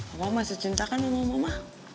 papa masih cinta kan sama mama